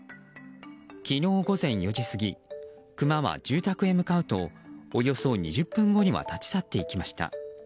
昨日午前４時過ぎクマは住宅へ向かうとおよそ２０分後には立ち去っていきました。